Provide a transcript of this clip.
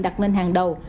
đặt lên hàng đầu